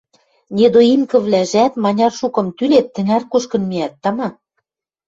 Недоимкӹвлӓжӓт, маняр шукым тӱлет, тӹнӓр кушкын миӓт, тама.